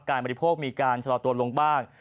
บริโภคมีการชะลอตัวลงบ้าง